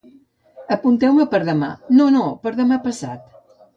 Apunteu-me per demà, no, no, per demà passat.